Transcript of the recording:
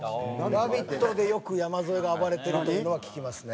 『ラヴィット！』でよく山添が暴れてるというのは聞きますね。